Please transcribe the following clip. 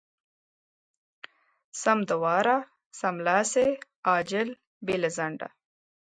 سم د واره= سملاسې، عاجل، بې له ځنډه.